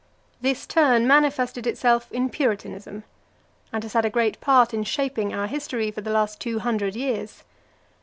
This turn manifested itself in Puritanism, and has had a great part in shaping our history for the last two hundred years.